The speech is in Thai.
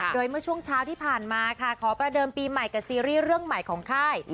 โดยเมื่อช่วงเช้าที่ผ่านมาค่ะขอประเดิมปีใหม่กับซีรีส์เรื่องใหม่ของค่าย